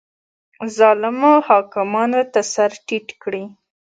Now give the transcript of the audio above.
ظالمو حاکمانو ته سر ټیټ کړي